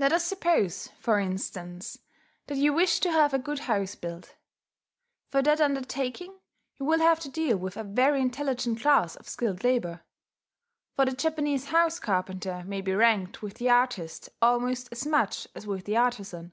Let us suppose, for instance, that you wish to have a good house built. For that undertaking, you will have to deal with a very intelligent class of skilled labour; for the Japanese house carpenter may be ranked with the artist almost as much as with the artizan.